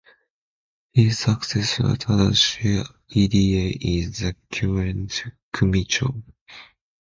His successor, Tadashi Irie, is the current "kumicho".